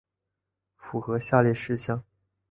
符合下列事项